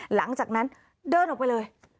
หลังจากนั้นเดินออกไปเลย